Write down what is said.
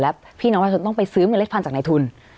และพี่น้องประชาชนต้องไปซื้อเมล็ดพันธุ์จากในทุน